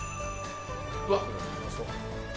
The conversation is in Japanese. うわっ。